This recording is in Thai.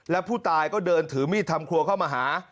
แล้วผู้ตายก็เดินถือมีดทำครัวเข้ามาหา